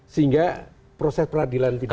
sehingga proses peradilan tidak